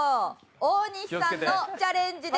大西さんのチャレンジです。